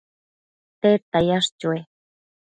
tedta yash chue?